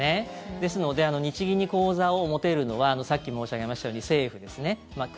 ですので日銀に口座を持てるのはさっき申し上げましたように政府ですね、国。